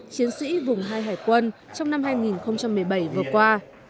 chiến sĩ vùng hai hải quân trong năm hai nghìn một mươi bảy vừa qua